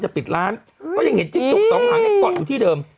จะเลี้ยงข้าวลงมาเร็ว